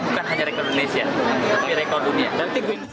bukan hanya rekor indonesia tapi rekor dunia